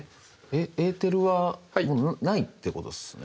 えっエーテルはないってことっすね。